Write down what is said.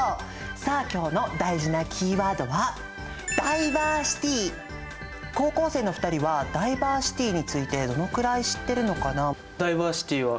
さあ今日の大事なキーワードは高校生の２人はダイバーシティについてどのくらい知ってるのかな？